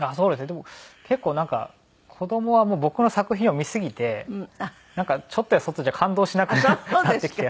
でも結構なんか子供はもう僕の作品を見すぎてちょっとやそっとじゃ感動しなくなってきて。